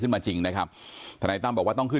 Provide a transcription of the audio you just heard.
เขาอะหาเรียกขึ้นมาจริงนะครับทนายต้ำบอกว่าต้องขึ้น